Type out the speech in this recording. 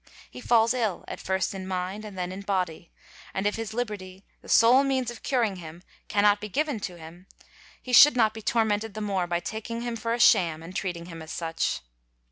He falls ill, at first in mind, and then in body, and, if his liberty, the sole means of curing him, cannot be given him, he should not be tormented the more by taking him ~ for a sham and treating him as such.